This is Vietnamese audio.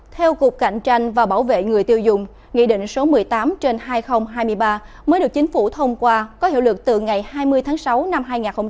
theo cục cạnh tranh và bảo vệ người tiêu dùng nghị định số một mươi tám trên hai nghìn hai mươi ba mới được chính phủ thông qua có hiệu lực từ ngày hai mươi tháng sáu năm hai nghìn hai mươi ba